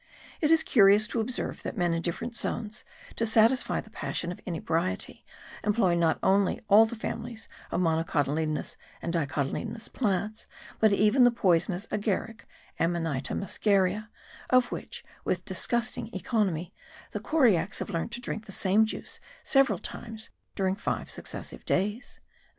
It is curious to observe that men in different zones, to satisfy the passion of inebriety, employ not only all the families of monocotyledonous and dicotyledonous plants, but even the poisonous Agaric (Amanita muscaria) of which, with disgusting economy, the Coriacs have learnt to drink the same juice several times during five successive days.